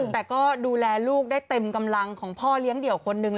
แต่ก็ดูแลลูกได้เต็มกำลังของพ่อเลี้ยงเดี่ยวคนนึง